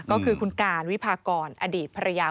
ก็คือคุณการวิพากรอดีตภรรยา